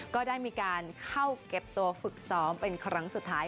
ก็ได้มีการเข้าเก็บตัวฝึกซ้อมเป็นครั้งสุดท้าย